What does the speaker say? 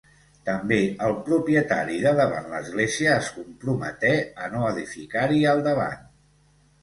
També el propietari de davant l'església es comprometé a no edificar-hi al davant.